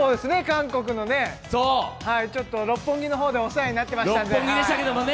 韓国の、六本木の方でお世話になってたんで。